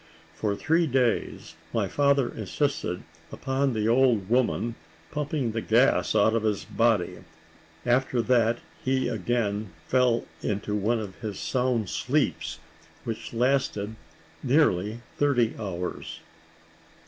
For three days my father insisted upon the old woman pumping the gas out of his body; after that he again fell into one of his sound sleeps, which lasted nearly thirty hours.